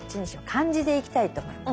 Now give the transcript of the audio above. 漢字でいきたいと思います。